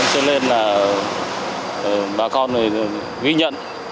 cho nên là bà con người ghi nhận